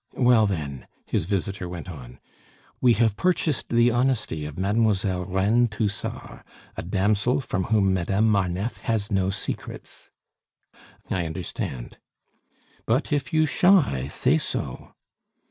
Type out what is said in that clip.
"Well, then," his visitor went on, "we have purchased the honesty of Mademoiselle Reine Tousard, a damsel from whom Madame Marneffe has no secrets " "I understand!" "But if you shy, say so."